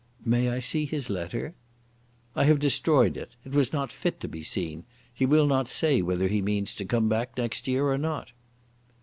"May I see his letter?" "I have destroyed it. It was not fit to be seen. He will not say whether he means to come back next year or not."